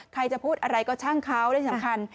ใครจะพูดอะไรก็ช่างเขาและสำคัญ